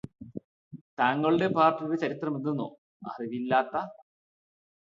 തങ്ങളുടെ പാർടിയുടെ ചരിത്രമെന്തെന്നോ അറിവില്ലാത്ത